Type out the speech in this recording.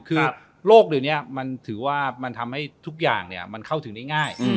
คือโรคที่วันนี้มันทำให้ทุกอย่างเข้าถึงได้ง่าย